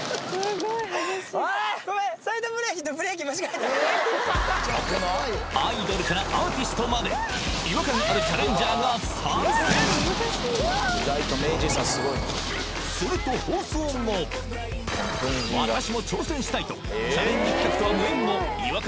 ごめんアイドルからアーティストまですると放送後私も挑戦したい！とチャレンジ企画とは無縁の違和感